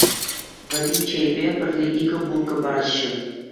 Вӗри чейпе пӗрле икӗ булка параҫҫӗ.